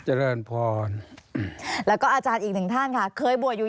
เจริญพรแล้วก็อาจารย์อีกหนึ่งท่านค่ะเคยบวชอยู่ย้าวเหมือนกันค่ะค่ะคุณผู้ชมค่ะ